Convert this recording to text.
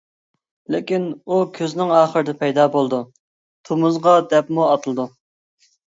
لېكىن ئۇ كۈزنىڭ ئاخىرىدا پەيدا بولىدۇ، تومۇزغا دەپمۇ ئاتىلىدۇ.